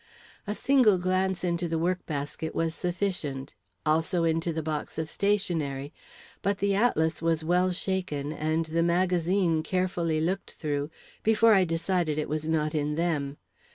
A single glance into the work basket was sufficient, also into the box of stationery. But the atlas was well shaken, and the magazine carefully looked through, before I decided it was not in them.